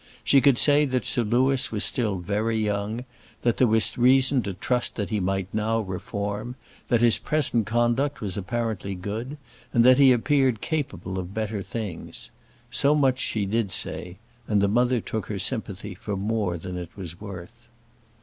She could say that Sir Louis was still very young; that there was reason to trust that he might now reform; that his present conduct was apparently good; and that he appeared capable of better things. So much she did say; and the mother took her sympathy for more than it was worth.